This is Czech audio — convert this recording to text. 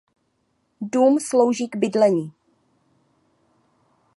Dům slouží k bydlení.